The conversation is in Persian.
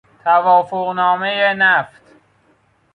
توافقنامهی نفت